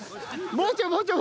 もうちょいもうちょい！